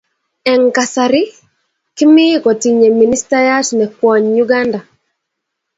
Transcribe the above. Eng kasari kimii kotinye ministayat ne kwony Uganda.